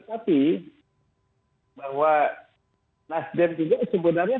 tapi bahwa nasdem juga sebenarnya